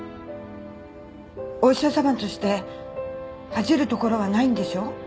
お医者様として恥じるところはないんでしょ？